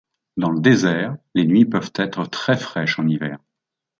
Dans le désert les nuits peuvent être très fraîches en hiver.